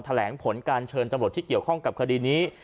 แถลงผลการเชิญตำรวจที่เกี่ยวข้องกับคดีนี้